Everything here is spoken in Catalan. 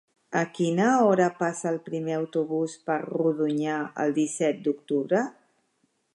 A quina hora passa el primer autobús per Rodonyà el disset d'octubre?